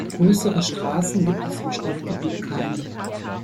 Größere Straßen gibt es im Stadtgebiet keine.